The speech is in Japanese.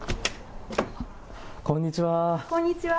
こんにちは。